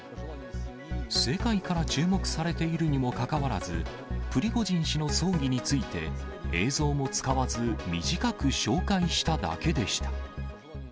世界から注目されているにもかかわらず、プリゴジン氏の葬儀について、映像も使わず、短く紹介しただけでした。